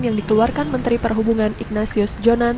yang dikeluarkan menteri perhubungan ignatius jonan